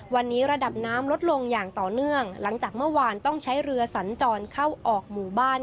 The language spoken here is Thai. วันนี้ระดับน้ำลดลงอย่างต่อเนื่องหลังจากเมื่อวานต้องใช้เรือสัญจรเข้าออกหมู่บ้าน